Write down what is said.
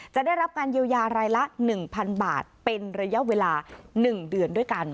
จะได้รับการเยียวยารายละ๑๐๐๐บาทเป็นระยะเวลา๑เดือนด้วยกัน